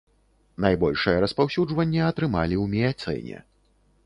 Найбольшае распаўсюджванне атрымалі ў міяцэне.